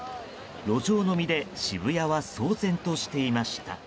路上飲みで渋谷は騒然としていました。